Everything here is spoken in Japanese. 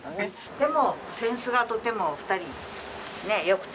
でもセンスがとても２人ねえ良くて。